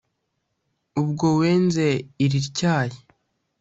ubwo wenze irityaye